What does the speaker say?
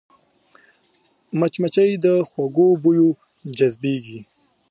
مچمچۍ د خوږو بویو جذبېږي